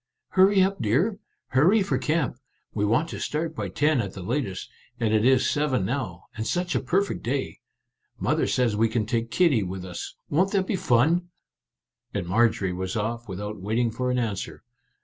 " Hurry up, dear ! Hurrah for camp ! We want to start by ten at the latest, and it is seven now, and such a perfect day. Mother says we can take Kitty with us; won't that be fun ?" And Marjorie was off without waiting for an answer.